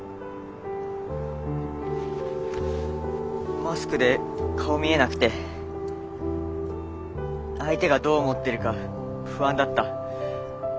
マスクで顔見えなくて相手がどう思ってるか不安だった。